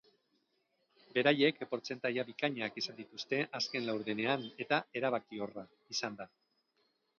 Beraiek portzentaia bikainak izan dituzte azken laurdenean, eta erabakiorra izan da.